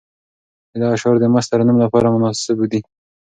د ده اشعار د مست ترنم لپاره مناسب دي.